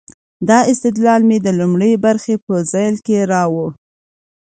دا استدلال مې د لومړۍ برخې په ذیل کې راوړ.